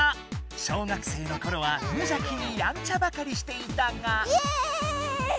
小学生のころはむじゃきにやんちゃばかりしていたが。